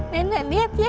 nenek lihat ya